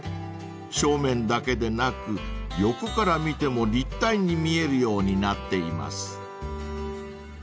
［正面だけでなく横から見ても立体に見えるようになっています］